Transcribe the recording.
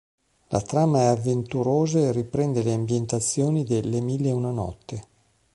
La trama è avventurosa e riprende le ambientazioni de "Le mille e una notte".